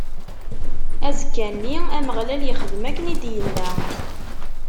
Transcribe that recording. Azekka-nni, Ameɣlal ixdem akken i d-inna.